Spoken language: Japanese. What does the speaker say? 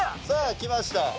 さあきました